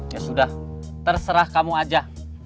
ya sudah terserah kamu aja